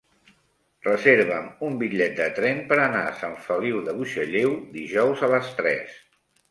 Reserva'm un bitllet de tren per anar a Sant Feliu de Buixalleu dijous a les tres.